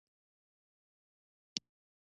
دا دواړه اصله یې په دقت په پام کې نیولي دي.